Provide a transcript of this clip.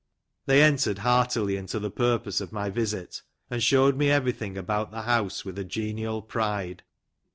They entered heartily into the purpose of my visit, and showed me everything about the house with a genial pride.